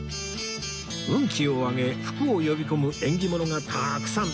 運気を上げ福を呼び込む縁起物がたくさん！